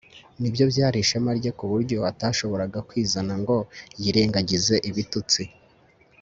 nibyo byari ishema rye kuburyo atashoboraga kwizana ngo yirengagize ibitutsi